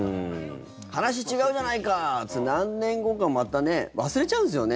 話違うじゃないかといって何年後かまた忘れちゃうんですよね